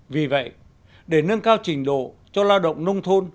vì vậy để nâng cao trình độ cho lao động nông thôn